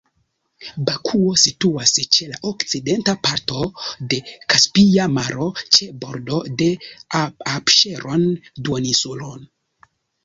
Bakuo situas ĉe la okcidenta parto de Kaspia Maro, ĉe bordo de Apŝeron-duoninsulo.